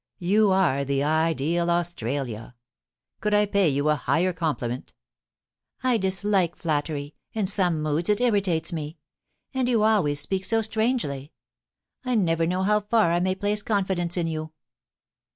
You are the ideal Australia. Could I pay you a higher compliment ?I dislike flattery ; in some moods it irritates me. And you always speak so strangely. I never know how far I may place confidence in you.'